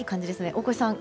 大越さん